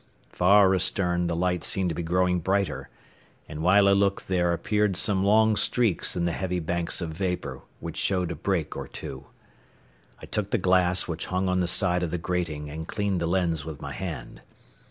Far astern the light seemed to be growing brighter, and while I looked there appeared some long streaks in the heavy banks of vapor which showed a break or two. I took the glass which hung on the side of the grating and cleaned the lens with my hand.